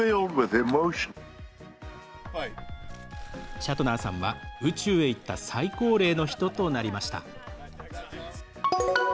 シャトナーさんは宇宙へ行った最高齢の人となりました。